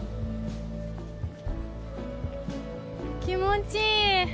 気持ちいい。